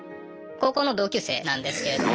高校の同級生なんですけれども。